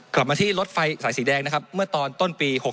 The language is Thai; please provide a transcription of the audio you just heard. กลับมาที่รถไฟสายสีแดงนะครับเมื่อตอนต้นปี๖๖